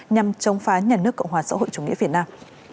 nhằm chống phá nhà nước cộng hòa xã hội chủ nghĩa việt nam